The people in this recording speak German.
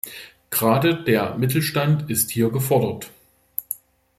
Gerade der Mittelstand ist hier gefordert.